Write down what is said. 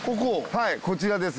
はいこちらです。